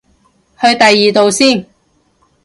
去第二度先